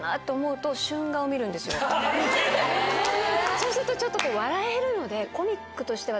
そうするとちょっと笑えるので。